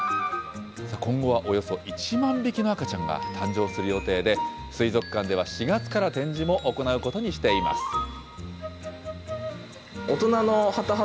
今後はおよそ１万匹の赤ちゃんが誕生する予定で、水族館では４月から展示も行うことにしています。